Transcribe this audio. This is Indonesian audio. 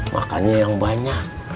makannya yang banyak